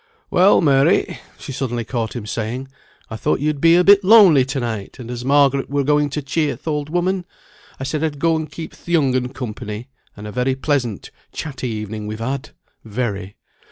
"Well, Mary," she suddenly caught him saying, "I thought you'd be a bit lonely to night; and as Margaret were going to cheer th' old woman, I said I'd go and keep th' young un company; and a very pleasant, chatty evening we've had; very.